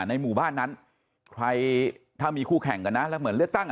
ในหมู่บ้านนั้นใครถ้ามีคู่แข่งกันนะแล้วเหมือนเลือกตั้งอ่ะ